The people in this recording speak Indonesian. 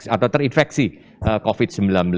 atau terinfeksi covid sembilan belas